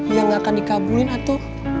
yang gak akan dikabuin atu